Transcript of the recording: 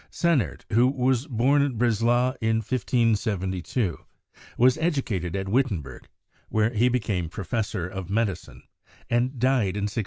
Sennert, who was born at Breslau in 1572, was educated at Wittenberg, where he became professor of medicine, and died in 1637.